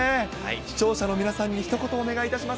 視聴者の皆さんにひと言お願いいたします。